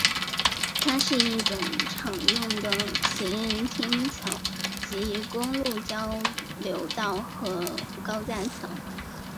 它是一种常用的行人天桥及公路交流道和高架桥。